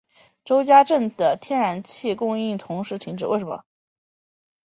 周家镇的天然气供应同时停止。